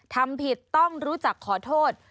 ทำผิดต้องรู้จักขอโทษ